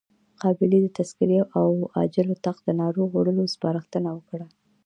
قابلې د تذکرې او عاجل اتاق ته د ناروغ وړلو سپارښتنه وکړه.